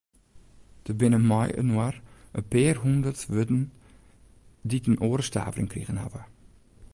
Der binne mei-inoar in pear hûndert wurden dy't in oare stavering krigen hawwe.